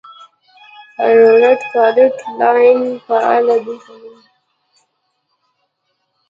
هریرود فالټ لاین فعال دی که نه؟